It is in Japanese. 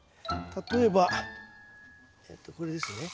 例えばえっとこれですね。